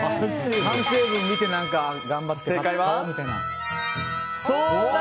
反省文見て頑張ってますみたいな。